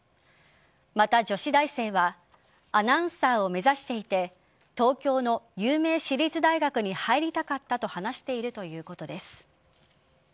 また、女子大生はアナウンサーを目指していて東京の有名私立大学に入りたかったと話しているということです。